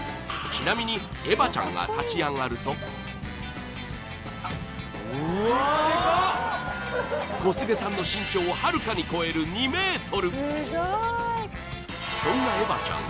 ちなみにエヴァちゃんが小菅さんの身長をはるかに超える２ｍそんなエヴァちゃん